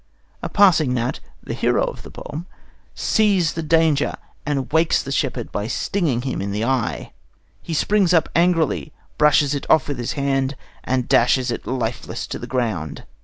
A passing gnat, the hero of the poem, sees the danger, and wakes the shepherd by stinging him in the eye. He springs up angrily, brushes it off with his hand, and dashes it lifeless to the ground.